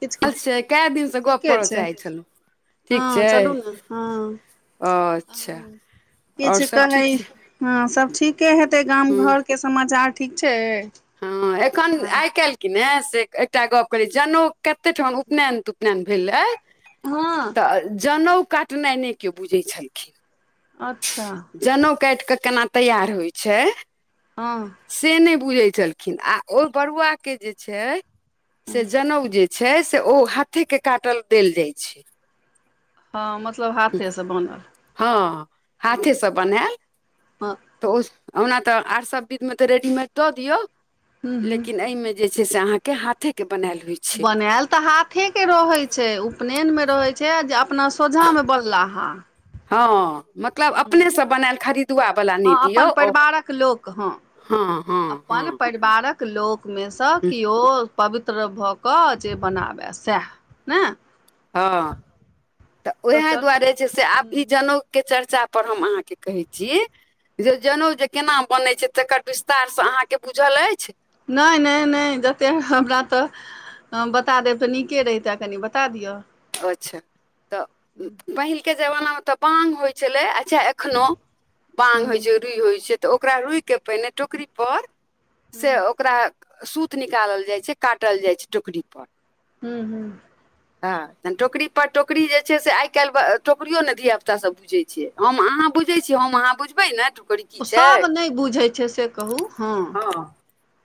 किछु अच्छे कै दिन से गप ठीके करऽ छै चाहैत छलहुँ। ठीक हँ चलू छै न हँ अच्छा आओर किछ सभ ठीक कहै। छै हँ सब ठीके हेतै गाम हँ घरके समाचार ठीक छै। हँ एखन आर आइ काल्हि। किने से एकटा गप कहली जनेउ कते ठाम उपनेन तुपनेन भेल हे। हँ। तऽ जनेउ काटनाइ नहि कियो बुझै छलखिन। अच्छा। जनैउ काटि के केना तैयार होइ छै। हँ। से नहि बुझैत छलखिन आ ओ बरुआके जे छै। से जनेउ जे छै से ओ हाथे के काटल देल जाय छै। ह मतलब। हाथे से बनल हँ हँ हाथे सब। बनैल हँ तऽ ओ ओना तऽ आर सब बिधमे तऽ रेडीमेड दऽ दियौ। हूँ हूँ लेकिन एहिमे जे छै से अहाँके हाथे के बनैल होइ छै। बनैल तऽ हाथ। के रहै छै उपनयनमे रहैत छै जे अपना सोझामे बनलाहा। हँ मतलब अपनेसँ बनैल खरीदुआवला नहि हँ अपन दियौ ओ। परिवारक लोक हँ हँ हँ। बारक लोकमे सँ किओ। पवित्र भऽ कऽ जे बनाबय सएह ने। हँ तऽ उएह चलू दुआरे जे से आब ई हूं जनैउ। के चर्चा पर हम अहाँके कहै छी। जे जनैउ जे केना बनै छै तकर विस्तार से अहाँके बुझल अछि। नहि नहि जतेक हमरा तऽ। बता देब तऽ नीके रहिते कनि बता दिअ। अच्छा तऽ। हू। पहिल के जमाना में तऽ बांग होइ छले अच्छा एखनो बांग हूँ होइ छै। रुइ होइ छै तऽ ओकरा रुइ के पहिने टोकरी पर हूँ से ओकरा। सूत निकालल जाय छै काटल जाय छै टोकरी पर। हूं हूं। हँ। तहन टोकरी पर टोकरी जे छै से आइ काल्हि टोकरीयो ने धिया पुता सब बुझे छ हम अहाँ बुझे छीय हमअहा। बुझबै ने त। सभ नहि बुझैत छै से कहू हँ।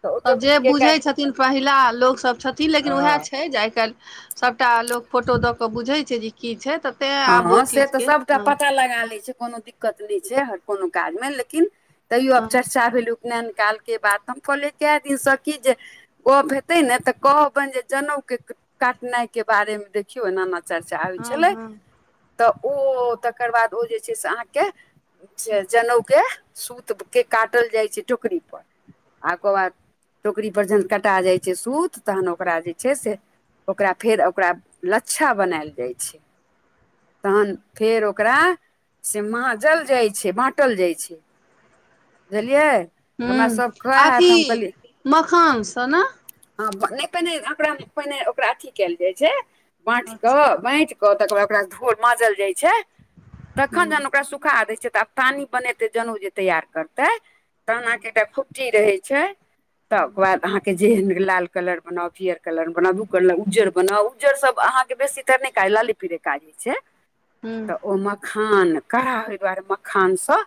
तऽ ओ त जे टोकरी के कै बुझै छथिन पहिला लोकसब छथिन लेकिन वएह हँ छै जे आइ काल्हि। सभटा लोक फोटो दऽ कऽ बुझैत छै जे की छै तऽ। तें आब ओ हँ से तऽ चीजके सभटा हँ पता लगा लैत छै कोनो दिक्कत नहि छै ह कोनो काजमे लेकिन। तैयो आब हँ चर्चा भेल उपनैन काल के बाद तऽ हम कहलियै कए दिनसँ की जे। गप हेते ने तऽ कहबनि जे जनैउ के काटनाइ के बारे मे देखियो ऐना। चर्चा होई हँ छलै। हँ तऽ ओ तकर बाद ओ जे छै से अहाँके जनैउ के सुत। थुप के काटल जाइ छै टोकरी पर, आ ओकर बाद। टोकरी पर जखन कटा जाइ छै सूत, तखन ओकरा जे छै से ओकरा फेर ओकरा लच्छा बनायल जाइ छै। तहन फेर ओकरा से माँजल जाइ छै, बाँटल जाइ छै। बुझलियै। हमरा हम्म सभ कहै हए आथी तऽ हम मखान स न। हं नहि पहिने, ओकरा पहिने ओकरा अथी कैल जाइ छै, बाँठी क अच्छा बैंटि क तकर बाद ओकरा धोल माँजल जाइ छै, तखन हूँ जहन ओकरा सुखा दै छै त अप तानी बनेतय जनेउ जे तैयार करतै तहन अहां के एकटा खूट्टी रहै छै त ओकर बाद के जेहेन लाल कलर बनाउ, पियर कलर बनाउ, दू कलर उज्जर बनाउ, उज्जर सब अहाँ के बेसीतर नहि काज लाले पिरे काज हय छै, हूँ तऽ ओ मखान कडा़ होय दुआरे मखानसँ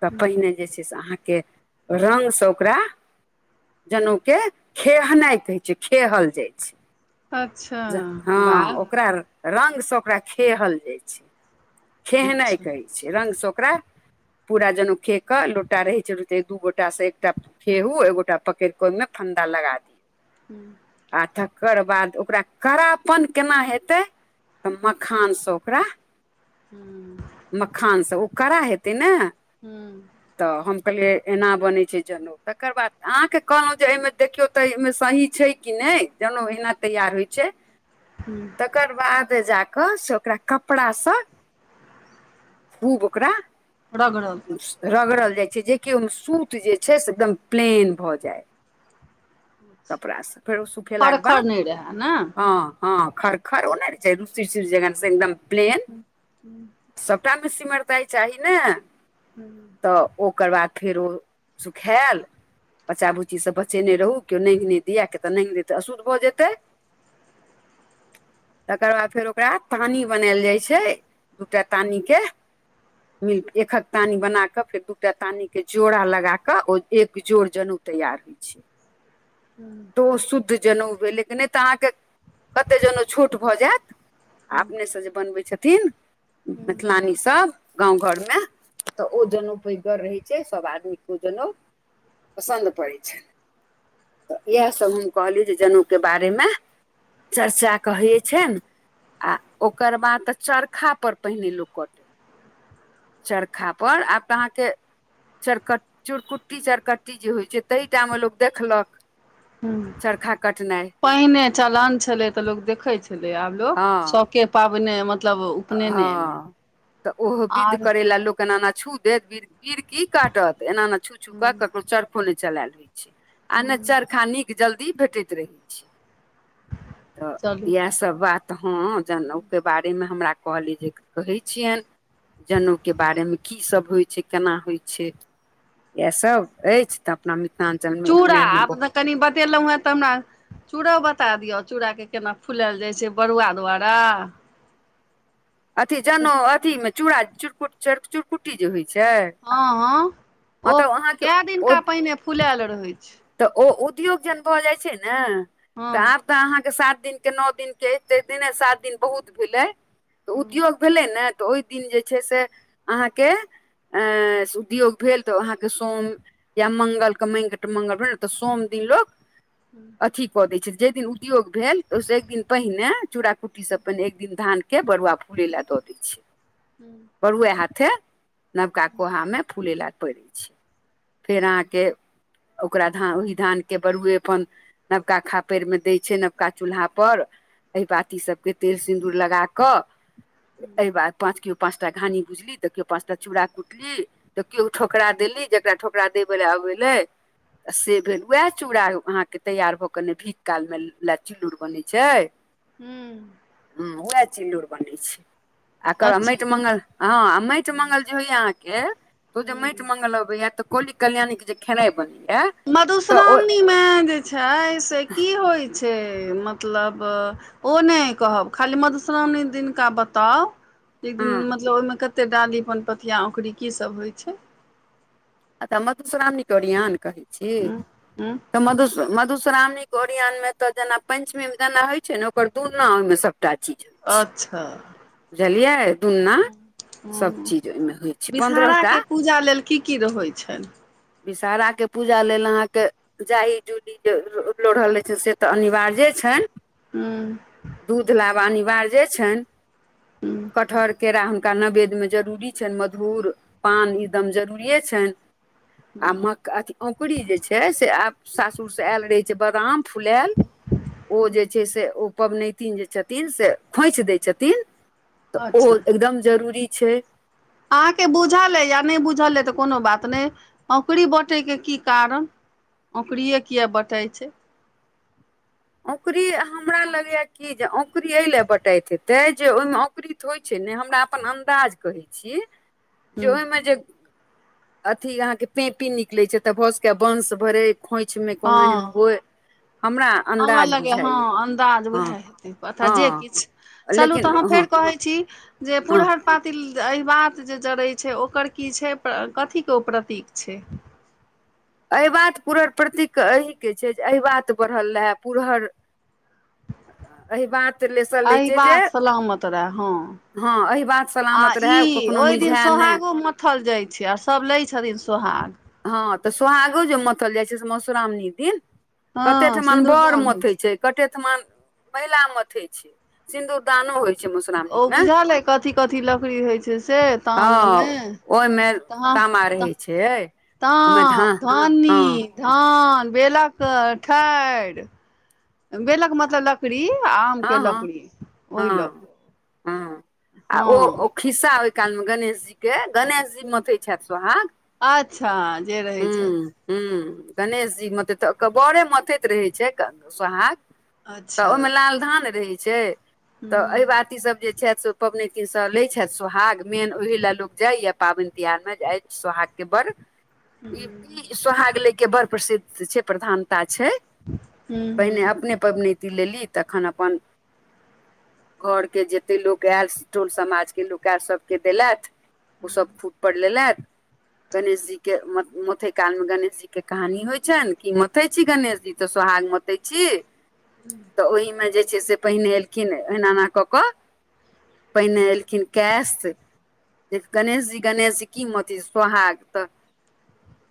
तऽ पहिने जे छै से, अहाँके रंगसँ ओकरा जनऊ के खेहनाइ कहै छै, खेहल जाइ छै। अच्छा जा वाह हँ ओकरा रंग सँ ओकरा खेहल जाइ छै, खेहनाइ अच्छा कहै छै रंग सँ ओकरा पूरा जन‌ऊ खेह क लोटा रहै छै, एक दू गोटा स एकटा खेहु एगोटा पकड़िक ओहिमे फंदा लगा दी। हम्म आ तकर बाद ओकरा कड़ापन केना हेतै। त मखानसँ ओकरा हम्म मखानसँ ओ कड़ा हेतै ने। हम्म तऽ हम कहलियै एना बनैत छै जनेऊ, तकर बाद अहाँके कहलऊ जे एहिमे देखियौ त एहिमे सही छै कि नहि, जन‌ऊ अहिना तैयार होइ छै। हम्म तकर बाद जाकऽ से ओकरा कपड़ा स खूब ओकरा रगड़ल। सु रगड़ल जाइ छै, जेकि ओहिमे सूत जे छै, से एकदम प्लेन भऽ जाय। कपड़ा स फेर ओ खर सुखेलाके खर बाद नहि रहै ने हँ हँ खर खर ओ नहि रहै छै, रूसी तुस जेकां से एकदम प्लेन हूं हम्म सबटामे सिमरताइ चाही ने। हम्म -हम्म औ ओकर बाद फेर ओ सुखैएल। बच्चा बुच्चीसँ बचेने रहू, कियो नाइंघ नहि दियैए, किया तऽ नाइंघ देत त अशुद्ध भऽ जेतै। [inaudible] तकर बाद फेर ओकरा तानी बनायल जाइ छै, दू टा तानीके। मिल्प एखक तानी बना क, फेर दू टा तानी के जोड़ा लगा क, ओ एक जोड़ जनऊ तैयार होइ छै। हम्म तऽ ओ शुद्ध जनऊ भेलै नहि तऽ अहाँके कते जनउ छोट भऽ जैत। आ अपनेसँ जे बनबै छथिन, मैथिलानीसबगाँव घरमे तऽ ओ जनेऊ पैघगर रहै छै, सब आदमीकेँ ओ जनेउ पसन्द पड़ै छैन। तऽ यैहसभ हम कहलियै जे जनउके बारेमे चर्चा कहैै छैनि आ ओकर बाद तऽ चरखा पर पहिने लोक कटै चरखा पर आब तऽ अहाँके चरकट चुरकुट्टी चरकट्टी जे होइ छै तइ टा मे लोक देखलक हूँ चरखा कटनाइ। पहिने चलान छलै तऽ लोक देखै छलै आब लोग हँ शोके पाबैने मत हँ तऽ ओहो विध आर करैलै लोक एना एना छू देत पीर पीर की काटत एना एना छू छू हूँ क [unintelligible] चर को नै चलैल होइ छै आ ने हूँ चरखा नीक जल्दी भेटैत रहै छै। तऽ चलू यैह सब बात हँ जनउ के बारेमे हमरा कहलियै जे ककहै छियनि जनउके बारेमे कीसभ होइ छै केना होइ छै। यैह सभ अछि तब [unintelligible] चूड़ा आब तऽ कनि बतेलौंए तऽ हमरा चूड़ो बता दिय चूड़ाके केना फुलैल जाइ छै बरुआ द्वारा अथी जनउ अथीमे चूड़ा चुरकुट चुरकुट्टी जे होइ छै। हँ हँ हँ ओ तऽ अहाँके कै ओ दिनका पहिने फुलैल रहै छै। तऽ ओ उद्योग जहन भऽ जाइ छै ने हँ तऽ आब तऽ अहाँके सात दिन के नो दिन के एते दिने सात दिन बहुत भेलै। तऽ हँ उद्योग भेलै ने तऽ ओइ दिन जे छै से अहाँके एं सुउद्योग भेल तऽ अहाँ के सोम या मंगल क माटि मंगल भेल तऽ सोम दिन लोक [unintelligible] [inaudible] कऽ दै छै। जइ दिन उद्योग भेल ओइस एक दिन पहिने चूड़ा कुट्टीस पहिने एक दिन धान के बड़ुआ फूलै लै दऽ दै छै। [inaudible] बरूए हाथे नबका कोहामे फुलै लै पड़ै छै फेर अहाँके ओकरा धान ओहि धानके बरुए अपन नवका खापरिमे दै छै नवका चूल्हापर। अहिबाती सबके तेल सिन्दूर लगा क अहिबात पाँच केओ पाॅंच टा घानी भुज ली तऽ केओ पाँच टा चूड़ा कुटली तऽ केओ ठोकरा देली जेकरा ठोकरा देबले अबै एलै से भेल वैह चूड़ा अहाँके तैयार भऽ कऽ नै भीख कालमे लैच च्लुर बनै छै। हूं हँ वैह चिल्लौर बनै छै आ अकर बाद अच्छा माटि मङ्गल हँ आ माटि मंगल जे होइयै अहाँके त ओ जे हूँ। माटि मंगल अबैयै तऽ कौली कल्याणी के जे खेनाई बनैयै मधुश्रामणीमे जे छै से की होइ छै मतलब ओ नै कहब खाली मधुश्रावणी दिनका बताउ [unintelligible] हँ दिन मतलब ओइमे कते डाली पनपथिया औंकुरी कीसभ होइ छै? अच्छा मधुश्रावणीके ओरियान कहै छी। उं उं तऽ मधुश मधुश्रावणीके ओरियानमे तऽ जेना पञ्चमी में जेना होइ छै ने ओकर दुना ओइमे सभटा चीज छै आच्छा बुझलियै दुन्ना सभ हं चीज ओहिमे होइ छै पन्द्रह टा विषहाराके पूजा लेल की की रहइ छैन? विषहारा के पूजा लेल अहाँके जाइ जूली जे रो-लोढ़ल रइ छै से तऽ अनिबार्जे छैन। हूम्म। दूध लाबा अनिबार्जे जे छैन, कटहर केरा हुन हुनका नैवेद्य में जरूरी छैन मधुर, पान, ई दम जरूरिये छैन। आ हूँ मक-अथी औकुरी जे छै, से आब सासुरसँ एल रहै छै बादाम फुलैल ओ जे छै से ओ पबनैतिन जे छथिन से खोंइछ दै छथिन। तऽ ओ अच्छा एकदम जरूरी छै। अहाँके बुझल अइ? या नैय बुझल अइ तऽ कोनो बात नैय, औंकरी बँऽटै के की कारण? औंकड़िये किया बँटाइ छै? औकरी हमरा लगैया क की जे औंकुरी अइ लैऽ बँटाइत हेतै जे ओई में औंकरीत तऽ होइ छै ने, हमरा अपन अन्दाज कहै छी, जे हूँ ओई मे जे अथी अहाँके पेंपी निकलै छै, तऽ भ सकैयै बंश भरै, खोंइछ में कोनो एहन हँ होय। हमरा हमरा अन्दाज लगेयै, हँ, बुझाइए अन्दाज हँ वैहैऽ हेतै, पता जे हँ किछु चलू लेकिन तऽ हम हँ फेर कहै छी जे हँ पुरहर पातिल अहिबात जे जरै छै ओकर की छै? कथीके ओ प्रतीक छै? अइबात पुरर परतीक अहीके छै, जे अहिबात बड़हल रहैऽ, पुरहर एहि बात लेसल रहै छै जे अहीबात सलामत रए, हँ। हँ, अहिबात सला आ ई ओई दिन सोहागो माथल जाइत छै, आ सब लै छथिन सोहाग। हँ तऽ सोहागो जे मथल जाइ छै, से मौश्रामणी दिन। हँ कते ठमन बऽड़ सिन्दूरदान होइ मथैइ छै, कटे थमन महिला मथै छै, सिन्दूदानो होइ छै मधुश्रावणी ओ मे बुझल अइ कथी-कथी लकड़ी होइ छै से ताम में? ओईमे तामा रहै छै। ओहिमे ताम, धान हँ धानी, धान, बेलक ठाइर। बेलक मतलब लकड़ी आ आमके हँ हँ लकड़ी ओई लऽ कऽ। हँ आ-ओ-ओ खिस्सा ओई काल में गणेश जी के गणेश जी ह मथै छैथ सोहाग, अच्छा जे रहै हूं। छथि ह्म्म, गणेश जी मथैत, अ-क-बऽरे मथैत रहै छै क-सोहाग। तऽ अच्छा ओई में लाल धान रहै छै, तऽ हूँ अहिबाती सब जे छैथ सो पबनैतिन स लै छैथ सोहाग, मेन ओहि लैऽ लोक जाइयैऽ पाबैन तिहार में जे अइ सोहाग के बड़ हूँ ई-ई-सोहाग लै के बड़ प्रसिद्ध छै, प्रधानता छै। हूँ पहिने हूँ। अपने पबनैतीन लेली तखन अपन घर के जते लोक एल, टोल समाज के लोक एल सबके देलैथ। ओ सब खूट पर लेलैथ, गणेश जी के म-मथै काल में गणेश जी के कहानी होइ छैन, की मतथै छी गणेश जी? तऽ सोहाग मते छी। [unintelligible] तऽ ओहिमें जे छै से पहिने एलखिन हेना ना कऽ कऽ पहिने एलखिन कैश। गणेश जी गणेश जी की मथै इ? सोहाग तऽ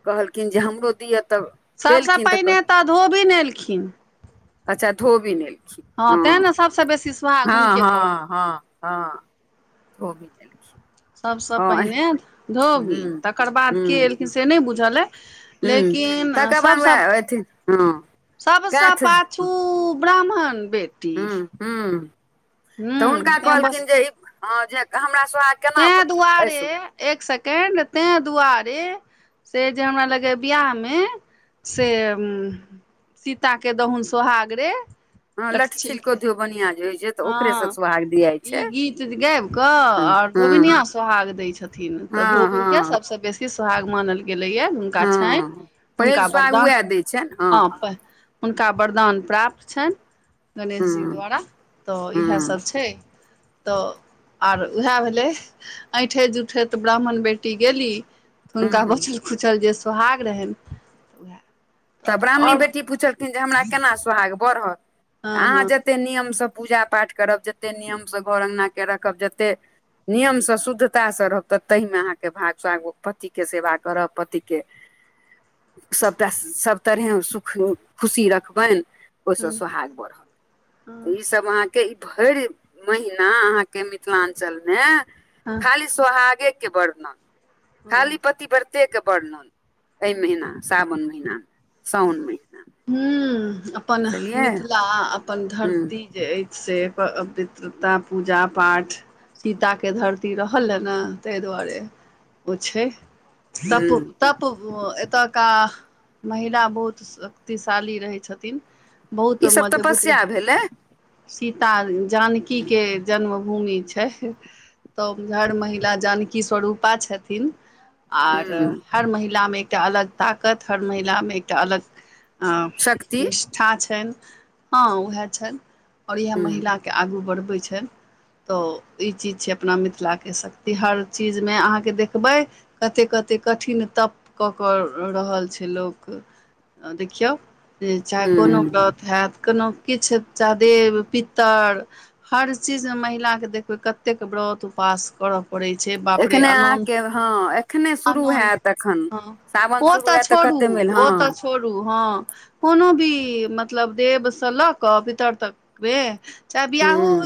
कहलखिन जे हमरो दिअ तऽ। सभसँ पहिने तऽ धोबीिन एलखिन। अच्छा धोबीन एलखिन। हँ तें ने सबस बेसी स्वा हँ-हँ-हँ-हँो भीखिन। सबस पहिने धोबी हूँ तकर बाद हूँ के एलखिन से नहि बुझले। हूँ लेकिन तकर बाद सबसँ वएह अथी हँ सबसँ कैथ पाछू। ब्राह्मण बेद ह ह तऽ हूँ हुनका तैँ बस कहलखिन जे ई ह जे हमरा साग तें दुआरे एक सेकें्ड तें दुआरे से जे हमरा लगैए बवाहमे से। सीता के दहुन सोहाग रे। ह लठछििल क लटछिलके दियो बनिियां जे जे तऽ ओकरे से हँ सुहाग ई गीत गाब के और हँ धोबिनिया सोहाग देय छथिन ते हँ धोबिन के हँ सबस बेसी सुहाग मानल गेलैया हुनका छनि हँ पहिल हुनका सुआग वरदान उएह दै छनि हँ [unintelligible] हुनका वरदान प्राप्त छनि गणेश हूँ जी द्वारा तऽ हूँ इएहसभ छै। तऽ आर उएह भेलै। ऐंठे जुठे तऽ ब्राह्मण बेटी गेली। तऽ हुनका हूँ बछल खुछल जे सोहाग रहनि तऽ उएह। तऽ ब्राह्मणी आओर बेटी पुछलखिन जे हमरा केना सोहाग बढ़त हँ अहाँ हँ जते नियम सब पूजा पाठ करब जतेक नियमसँ घर अङ्गनाके रखब जतेक नियम से शुद्धता से रहब तऽ तहि मे अहाँके भाग साग पति के सेवा करब पति के सबटा सब तहरे सुखो खुशी रखबैन ओह सँ हँ सुहाग बढ़व उही सब वहाँ। के ई भरि महिना अहाँके मिथिलाञ्चल मे हँ खाली सोहागे के वर्णन हँ खाली पतिवर्ते के वर्णन एहि महीना साावन महिीना साओन महिीना हू अपन मिथिला अपन हूँ धरती जे अछि से पा पवित्रता पूजा पाठ सीताके धरती रहल हे ने ताहि दुआरे ओ छै। तप हूँ तप एतयका महिला बहुत सँ शक्तिशाली रहै छथिन बहुत ईसभ मजबूत तपस्या भेलै सीता जानकी के जन्मभूमि छै। तऽ उमहर महिला जानकी स्वरूपा छथिन आर हूँ हर महिलामे एकटा अलग ताकत हर महिलामे एकटा अलग अ शक्ति निष्ठा छनि हँ वएह छनि ओर इएह हूँ महिला के आगू बढ़बै छैन। तऽ ई चीज छै अपना मिथिलाके शक्ति हर चीजमे अहाँके देखबै। कते कते कठिन तप कऽ कऽ रहल छै लोक देखि खियौ जे चाहे कोनो हूँ व्रत हैत कोनो किछु चाहे देव पितर हर चीजमे महिलाके देखबै कतेक व्रत उपास करब। पड़ै छै बापरे एखने आनोन अहाँके हँ एखने शुरू आनोन हैत एखन हँ। सावन ओ शुरू तऽ हैत छोडू कते मेल हँ ओ तऽ छोडू। हँ कोनो भी मतलब देवसँ लऽ कऽ पितर तकमे चाहे बियाह हूँ होयत।